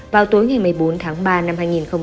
vào tối ngày một mươi bốn tháng ba năm hai nghìn một mươi tám